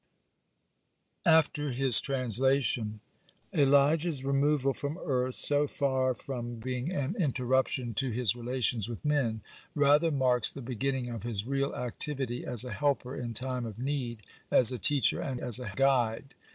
(42) AFTER HIS TRANSLATION Elijah's removal from earth, so far being an interruption to his relations with men, rather marks the beginning of his real activity as a helper in time of need, as a teacher and as a guide.